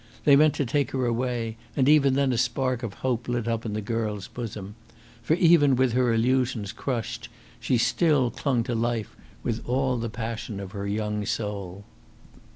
They meant to take her away, and even then a spark of hope lit up in the girl's bosom. For even with her illusions crushed she still clung to life with all the passion of her young soul.